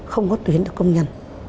không có tuyến được công nhân